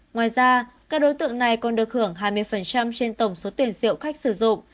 ngoài ra các đối tượng này còn được hưởng hai mươi trên tổng số tiền diệu khách sử dụng